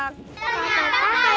tuh keren banget ya